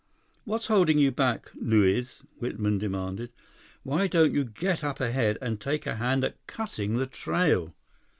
"What's holding you back, Luiz?" Whitman demanded. "Why don't you get up ahead and take a hand at cutting the trail?"